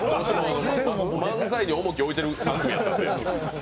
漫才に重きを置いてる３組やったんで。